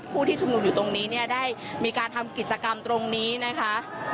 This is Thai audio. ผู้ที่ชุมนุมอยู่ตรงนี้เนี่ยได้มีการทำกิจกรรมตรงนี้นะคะ